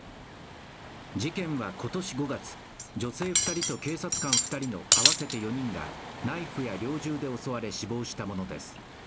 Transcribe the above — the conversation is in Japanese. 事件は今年５月、女性２人と警察官２人の合わせて４人がナイフや猟銃で襲われ死亡したものです。